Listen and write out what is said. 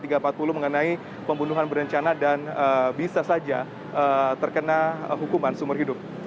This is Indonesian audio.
dan ini juga mengenai pembunuhan berencana dan bisa saja terkena hukuman sumber hidup